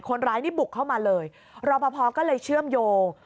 คนร้ายนี่บุกเข้ามาเลยรอปภก็เลยเชื่อมโยง